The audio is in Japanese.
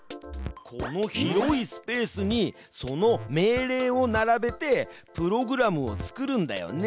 この広いスペースにその命令をならべてプログラムを作るんだよね。